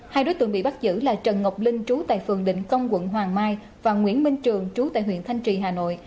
hai đối tượng bị bắt giữ là trần ngọc linh trú tại phường định công quận hoàng mai và nguyễn minh trường trú tại huyện thanh trì hà nội